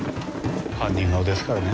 犯人顔ですからね。